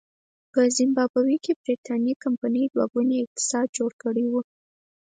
په زیمبابوې کې برېټانوۍ کمپنۍ دوه ګونی اقتصاد جوړ کړی و.